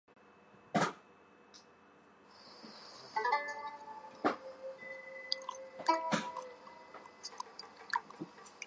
东塔的历史年代为明。